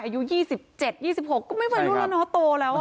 อายุยี่สิบเจ็ดยี่สิบหกก็ไม่วัยรุ่นแล้วเนอะโตแล้วอ่ะ